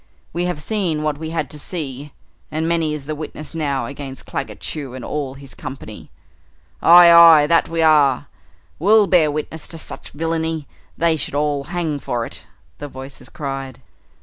"We have seen what we had to see, and many is the witness now against Claggett Chew and all his company!" "Aye! Aye! That we are! We'll bear witness to such villainy they should all hang for it!" the voices cried.